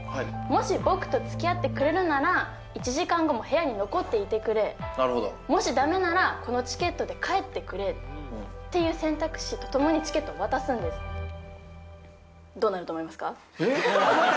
もし僕とつきあってくれるなら１時間後も部屋に残っていてくれなるほどもしダメならこのチケットで帰ってくれっていう選択肢と共にチケットを渡すんですえっ！？